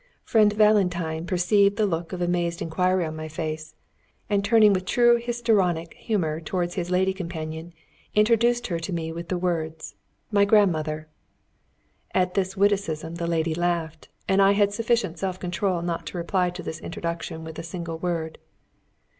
Friend Valentine perceived the look of amazed inquiry on my face, and turning with true histrionic humour towards his lady companion, introduced her to me with the words, "My grandmother!" At this witticism the lady laughed, and I had sufficient self control not to reply to this introduction with a single word.